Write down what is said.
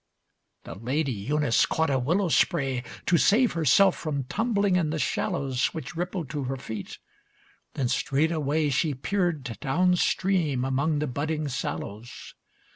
VII The Lady Eunice caught a willow spray To save herself from tumbling in the shallows Which rippled to her feet. Then straight away She peered down stream among the budding sallows.